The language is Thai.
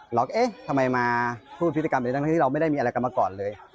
เอ๊ะทำไมมาพูดพฤติกรรมใดทั้งที่เราไม่ได้มีอะไรกันมาก่อนเลย